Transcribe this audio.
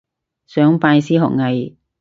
想拜師學藝